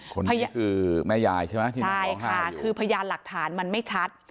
คนนี่คือแม่ยายใช่ไหมที่น้ำล้องห้ายอ่ะใช่ค่ะคือพยานหลักฐานมันไม่ชัด